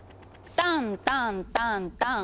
タンタンタンタン。